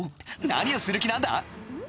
何をする気なんだ？